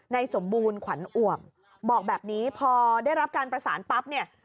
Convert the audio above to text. สมบูรณ์ขวัญอ่วมบอกแบบนี้พอได้รับการประสานปั๊บเนี่ย